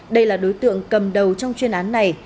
đây là đối tượng cầm đầu trong chuyên án này